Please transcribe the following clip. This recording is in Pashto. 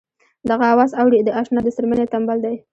دغه اواز اورې د اشنا د څرمنې تمبل دی.